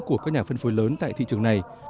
của các nhà phân phối lớn tại thị trường này